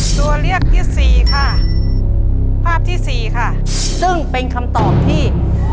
ตัวเลือกที่สี่ค่ะภาพที่สี่ค่ะซึ่งเป็นคำตอบที่